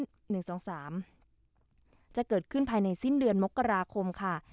จะตี่กลับต่างสิ้น๑๒๓จะเกิดขึ้นภายในสิ้นเดือนมกราคมค่ะ